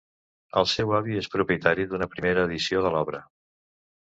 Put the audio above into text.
El seu avi és propietari d'una primera edició de l'obra.